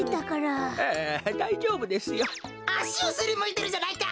あしをすりむいてるじゃないか！